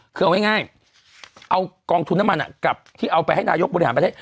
คือเอาง่ายเอากองทุนน้ำมันกลับที่เอาไปให้นายกบริหารประเทศ